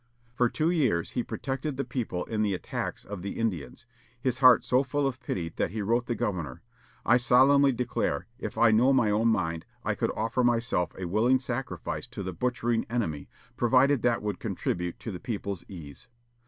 For two years he protected the people in the attacks of the Indians; his heart so full of pity that he wrote the governor, "I solemnly declare, if I know my own mind, I could offer myself a willing sacrifice to the butchering enemy, provided that would contribute to the people's ease."